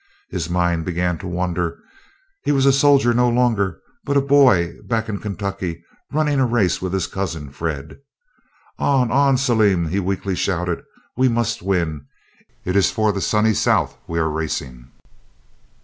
His mind began to wander. He was a soldier no longer, but a boy back in Kentucky running a race with his cousin Fred. "On! on! Salim," he weakly shouted; "we must win, it is for the Sunny South we are racing."